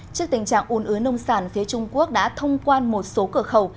trước tình trạng ùn ứa nông sản phía trung quốc đã thông quan một số cửa khẩu